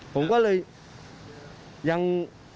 ผมก็เลยยัง